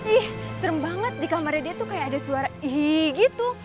ih serem banget di kamarnya dia tuh kayak ada suara ihi gitu